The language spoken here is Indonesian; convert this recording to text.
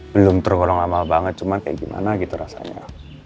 belum tergolong lama banget cuman kayak gimana gitu rasanya